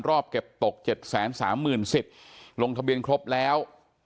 รอบเก็บตกเจ็ดแสนสามหมื่นสิบลงทะเบียนครบแล้ว